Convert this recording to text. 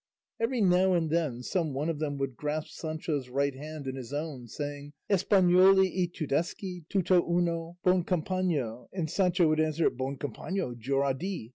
Every now and then some one of them would grasp Sancho's right hand in his own saying, "Espanoli y Tudesqui tuto uno: bon compano;" and Sancho would answer, "Bon compano, jur a Di!"